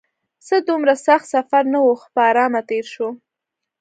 څه دومره سخت سفر نه و، ښه په ارامه تېر شو.